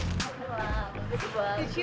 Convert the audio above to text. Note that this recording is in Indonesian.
tuh aku juga